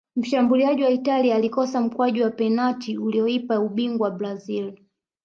mshabuliaji wa italia alikosa mkwaju wa penati ulioipa ubingwa brazil